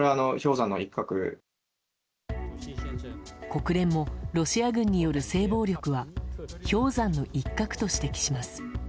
国連もロシア軍による性暴力は氷山の一角と指摘します。